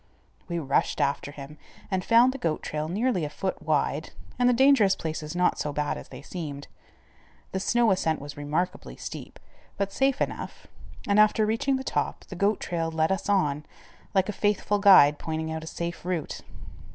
We rushed after him, and found the goat trail nearly a foot wide, and the dangerous places not so bad as they seemed. The snow ascent was remarkably steep, but safe enough, and, after reaching the top, the goat trail led us on, like a faithful guide pointing out a safe route.